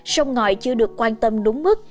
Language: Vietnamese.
sông ngọi chưa được quan tâm đúng mức